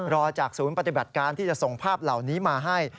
รอจากศูนย์ปฏิบัติการที่จะส่งภาพเหล่านี้มาให้